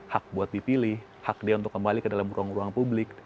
hak buat dipilih hak dia untuk kembali ke dalam ruang ruang publik